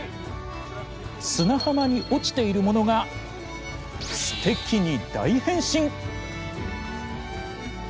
砂浜に落ちているものがすてきに大変身！？